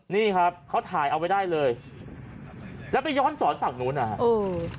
นี่ครับเขาถ่ายเอาไว้ได้เลยแล้วไปย้อนสอนฝั่งนู้นนะฮะเออ